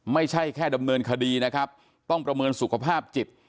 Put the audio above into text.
ไม่ใช่แค่ดำเนินคดีนะครับต้องประเมินสุขภาพจิต